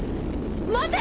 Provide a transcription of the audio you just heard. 待て！